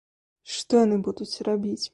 Што яны будуць рабіць?